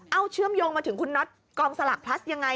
เอาเชื่อมโยงมาถึงคุณน็อตกองสลากพลัสยังไง